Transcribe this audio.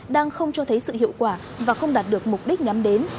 đang không cho thấy sự hiệu quả và không đạt được mục đích nhắm đến